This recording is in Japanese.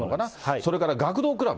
それから学童クラブ。